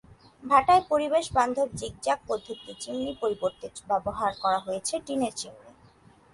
ভাটায় পরিবেশবান্ধব জিগজাগ পদ্ধতির চিমনির পরিবর্তে ব্যবহার করা হয়েছে টিনের চিমনি।